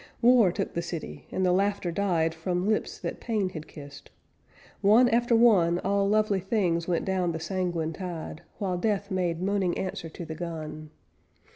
War took the city, and the laughter died From lips that pain had kissed. One after one All lovely things went down the sanguine tide, While death made moaning answer to the gun.